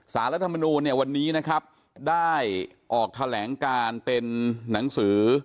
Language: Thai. รัฐมนูลเนี่ยวันนี้นะครับได้ออกแถลงการเป็นหนังสือ